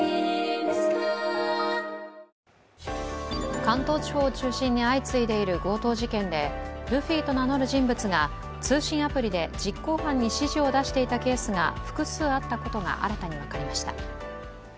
関東地方を中心に相次いでいる強盗事件でルフィと名乗る人物が通信アプリで実行犯に指示を出していたケースが複数あったことが新たに分かりました。